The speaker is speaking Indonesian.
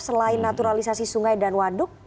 selain naturalisasi sungai dan waduk